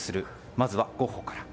まずは、ゴッホから。